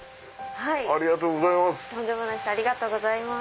ありがとうございます。